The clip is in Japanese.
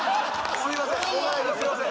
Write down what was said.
すいません